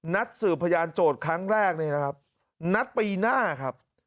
สืบพยานโจทย์ครั้งแรกนี่นะครับนัดปีหน้าครับ